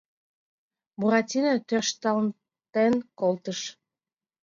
Буратино тӧршталтенат колтыш.